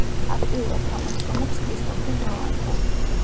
აქტიურად თანამშრომლობს კრისტოფერ ნოლანთან.